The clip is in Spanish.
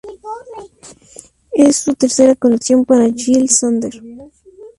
Es su tercera colección para Jil Sander.